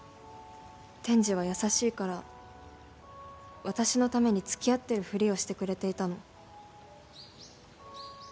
天智は優しいから私のために付き合ってるふりをしてくれていたの。